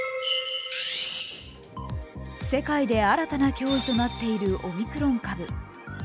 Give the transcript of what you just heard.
世界で新たな脅威となっているオミクロン株。